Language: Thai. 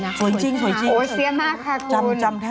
เรายังสวยจังเลยไปทำอะไร